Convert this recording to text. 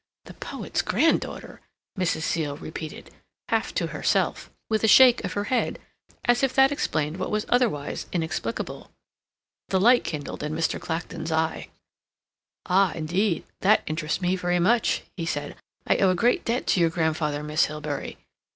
"The poet's granddaughter!" Mrs. Seal repeated, half to herself, with a shake of her head, as if that explained what was otherwise inexplicable. The light kindled in Mr. Clacton's eye. "Ah, indeed. That interests me very much," he said. "I owe a great debt to your grandfather, Miss Hilbery.